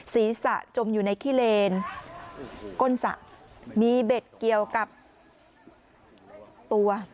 จมอยู่ในขี้เลนก้นสระมีเบ็ดเกี่ยวกับตัว